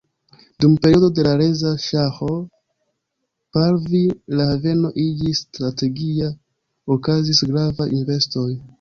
Dum periodo de Reza Ŝaho Pahlavi la haveno iĝis strategia, okazis gravaj investoj.